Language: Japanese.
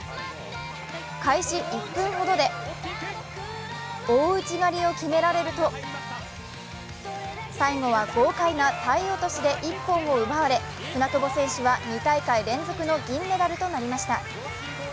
開始１分ほどで大内刈りを決められると、最後は豪快な体落としで一本を奪われ、舟久保選手は２大会連続の銀メダルとなりました。